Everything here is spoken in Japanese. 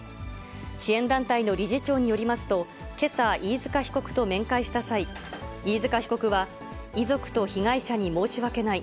支援団体の理事長によりますと、けさ、飯塚被告と面会した際、飯塚被告は、遺族と被害者に申し訳ない。